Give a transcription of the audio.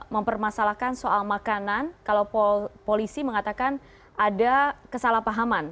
mempermasalahkan soal makanan kalau polisi mengatakan ada kesalahpahaman